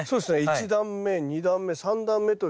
１段目２段目３段目とですね